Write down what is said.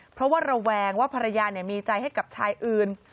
เพราะว่าระแวงว่าภรรยามีใจให้กับชายอื่น